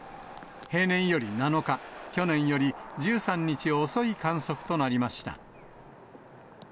平年より７日、去年より１３日遅い観測となりました。